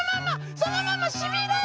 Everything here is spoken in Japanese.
そのまましびれる！